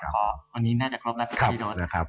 คนนี้น่าจะครบแล้วครับ